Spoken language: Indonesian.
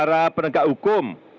terima kasih kepada para penegak hukum